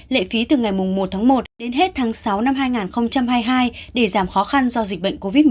lệ phí từ ngày một tháng một đến hết tháng sáu năm hai nghìn hai mươi hai để giảm khó khăn do dịch bệnh covid một mươi chín